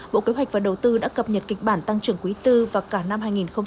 bộ kế hoạch và đầu tư đã cập nhật kịch bản tăng trưởng quý tư và cả năm hai nghìn hai mươi